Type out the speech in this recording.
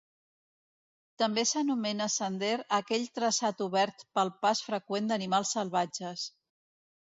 També s'anomena sender a aquell traçat obert pel pas freqüent d'animals salvatges.